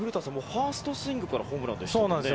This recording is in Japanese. ファーストスイングからホームランでしたね。